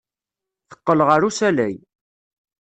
Teqqel ɣer usalay.